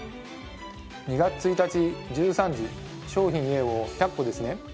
２月１日１３時商品Ａを１００個ですね。